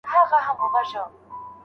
هغه پوهنتون چي اصول لري پرمختګ کوي.